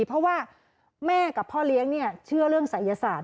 เพราะว่าแม่กับพ่อเลี้ยงเชื่อเรื่องศัยศาสต